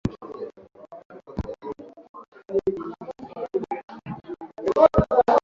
miaka nenda miaka rudi huku mipango yao ikififa kama nyota ya mchana